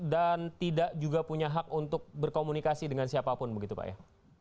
dan tidak juga punya hak untuk berkomunikasi dengan siapapun begitu pak ya